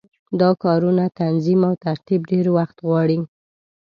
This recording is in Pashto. دا کارونه تنظیم او ترتیب ډېر وخت غواړي.